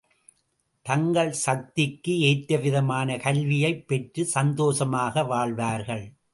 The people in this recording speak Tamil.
தங்கள் சக்திக்கு, ஏற்றவிதமான கல்வியைப் பெற்று சந்தோஷமாக வாழ்வார்கள்.